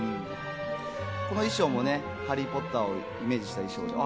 この衣装も『ハリー・ポッター』をイメージした衣装。